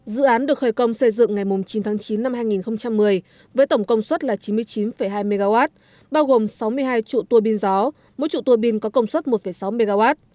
dự án được khởi công xây dựng ngày chín tháng chín năm hai nghìn một mươi với tổng công suất là chín mươi chín hai mw bao gồm sáu mươi hai trụ tùa pin gió mỗi trụ tùa pin có công suất một sáu mw